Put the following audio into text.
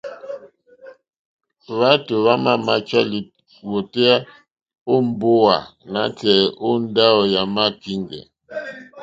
Hwátò hwámà máchá lìwòtéyá ó mbówà nǎtɛ̀ɛ̀ ó ndáwò yàmá kíŋgɛ̀.